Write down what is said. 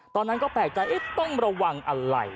ตอนนั้นก็แปลกใจต้องระวังอะไร